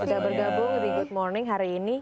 sudah bergabung di good morning hari ini